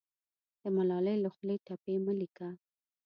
د ملالۍ له خولې ټپې مه لیکه